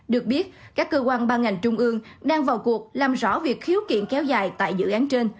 được biết các cơ quan ban ngành trung ương đang vào cuộc làm rõ việc khiếu kiện kéo dài tại dự án trên